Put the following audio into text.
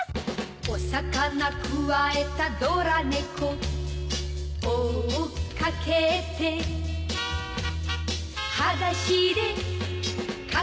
「お魚くわえたドラ猫」「追っかけて」「はだしでかけてく」